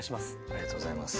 ありがとうございます。